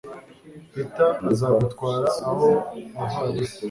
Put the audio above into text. Peter azagutwara ayo mavalisi.